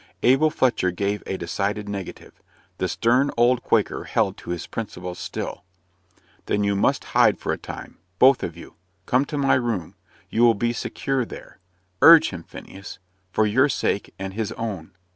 Abel Fletcher gave a decided negative. The stern old Quaker held to his principles still. "Then you must hide for a time both of you. Come to my room. You will be secure there. Urge him, Phineas for your sake and his own."